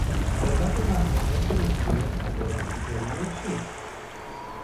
علت محرومیت روسیه از المپیک ریوچیست؟